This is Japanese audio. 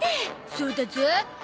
そうだゾ。